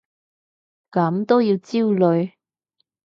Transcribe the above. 咁都要焦慮？